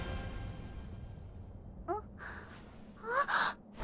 あっあっ！